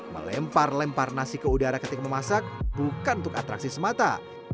melempar lempar nasi ke udara ketika memasak bukan untuk atraksi semata